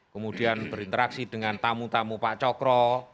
kemudian berinteraksi dengan tamu tamu pak cokro